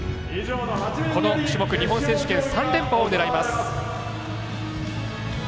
この種目、日本選手権３連覇を狙います。